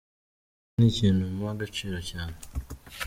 Iki ni ikintu mpa agaciro cyane.